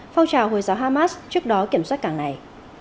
phong trào hồi giáo hamas trước đó kiểm soát cảng này